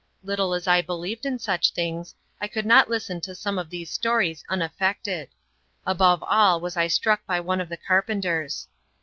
Little as I believed in such things, I could not listen to some of these stories unaffected. Above all was I struck by one of the carpenter's.